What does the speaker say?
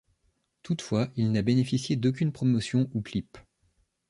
Toutefois, il n'a bénéficié d'aucune promotion ou clip.